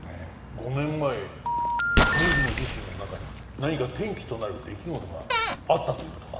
５年前水野自身の中に何か転機となる出来事があったという事か？